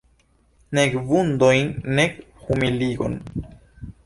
Nek vundojn, nek humiligon.